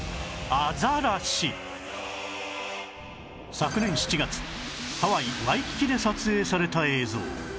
昨年７月ハワイワイキキで撮影された映像